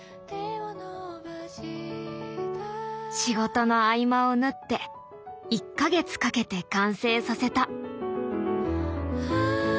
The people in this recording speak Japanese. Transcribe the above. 仕事の合間を縫って１か月かけて完成させた。